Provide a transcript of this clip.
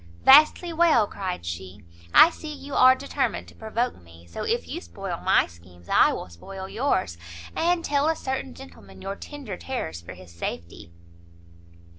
"Vastly well!" cried she, "I see you are determined to provoke me, so if you spoil my schemes, I will spoil yours, and tell a certain gentleman your tender terrors for his safety."